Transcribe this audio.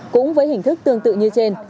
cũng với hình thức tương tự như trên